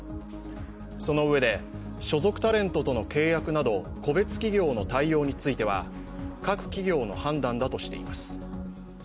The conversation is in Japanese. そのうえで所属タレントとの契約など個別企業の対応については各企業の判断だとしています。